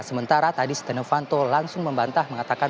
sementara tadi setonofanto langsung membantah mengatakan